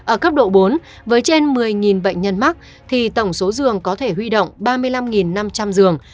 ở cấp độ bốn với trên một mươi bệnh nhân mắc tổng số dường có thể huy động ba mươi năm năm trăm linh dường